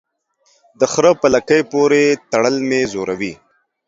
د خره په لکۍ پوري تړل مې زوروي.